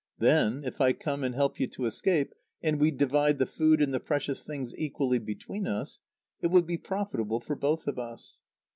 Then, if I come and help you to escape, and we divide the food and the precious things equally between us, it will be profitable for both of us."